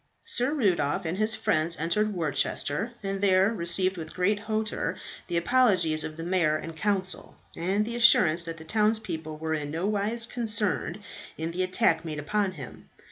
Sir Rudolph and his friends entered Worcester, and there received with great hauteur the apologies of the mayor and council, and the assurance that the townspeople were in nowise concerned in the attack made upon him.